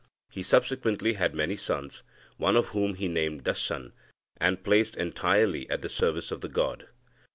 He subsequently had many sons, one of whom he named Dasan, and placed entirely at the service of the god.